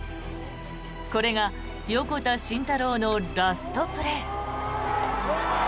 これが横田慎太郎のラストプレー。